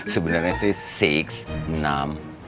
sebenarnya sih six enam